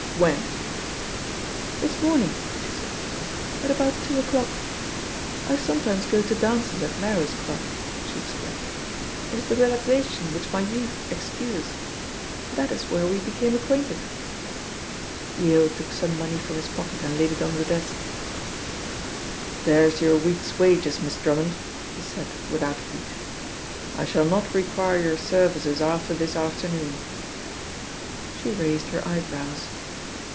"When?" "This morning," she said, "at about two o'clock. I sometimes go to dances at Merros Club," she explained. "It is the relaxation which my youth excuses. That is where we became acquainted." Yale took some money from his pocket and laid it on the desk. "There is your week's wages. Miss Drummond," he said without heat. "I shall not require your services after this afternoon." She raised her eyebrows.